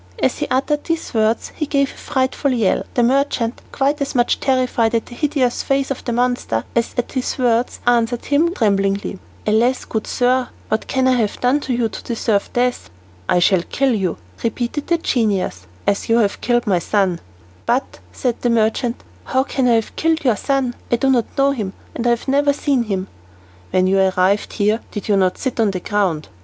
As he uttered these words he gave a frightful yell. The merchant, quite as much terrified at the hideous face of the monster as at his words, answered him tremblingly, "Alas, good sir, what can I have done to you to deserve death?" "I shall kill you," repeated the genius, "as you have killed my son." "But," said the merchant, "how can I have killed your son? I do not know him, and I have never even seen him." "When you arrived here did you not sit down on the ground?"